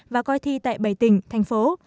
và coi thi tại bảy tỉnh thành phố